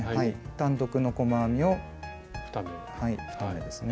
単独の細編みを２目ですね。